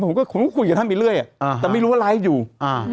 ผมก็คุณก็คุยกับท่านไปเรื่อยอ่ะอ่าแต่ไม่รู้ว่าไลฟ์อยู่อ่า